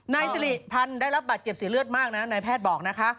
นายสิริพันธ์ได้รับบาดเจ็บเสียเลือดมากนะนายแพทย์บอกนะคะ